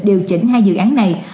điều chỉnh hai dự án này